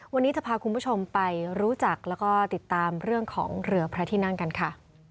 วันนี้จะพาคุณผู้ชมไปรู้จักแล้วก็ติดตามเรื่องของเรือพระที่นั่งกันค่ะ